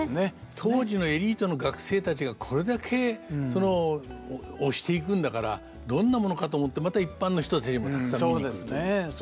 当時のエリートの学生たちがこれだけ推していくんだからどんなものかと思ってまた一般の人たちもたくさん見に来るという。